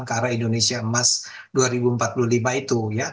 ke arah indonesia emas dua ribu empat puluh lima itu